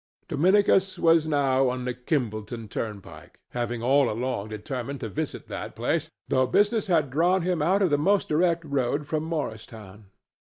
Dominicus was now on the Kimballton turnpike, having all along determined to visit that place, though business had drawn, him out of the most direct road from Morristown.